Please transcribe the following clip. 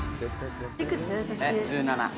いくつ？年。